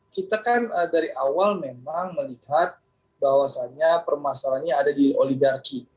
kita kan dari awal memang melihat bahwasannya permasalahannya ada di oligarki